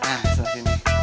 ah silahkan ini